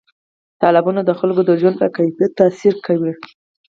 تالابونه د خلکو د ژوند په کیفیت تاثیر کوي.